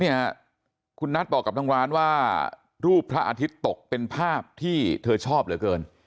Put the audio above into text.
เนี่ยคุณนัทบอกกับทางร้านว่ารูปพระอาทิตย์ตกเป็นภาพที่เธอชอบเหลือเกิน